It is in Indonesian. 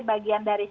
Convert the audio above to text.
apa yang anda lakukan